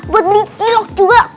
buat beli cilok juga kurang